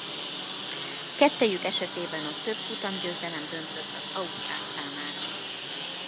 Kettejük esetében a több futamgyőzelem döntött az ausztrál számára.